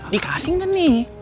dikasih kan nih